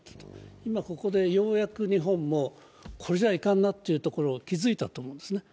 今ここで、ようやく日本もこれじゃいかんなというところに気付いたと思うんですね。